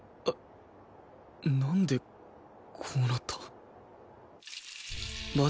なんでこうなった？